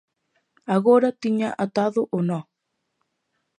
Agora tiña atado o nó: